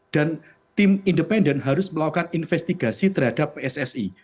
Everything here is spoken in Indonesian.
dan tim independen harus melakukan investigasi terhadap pssi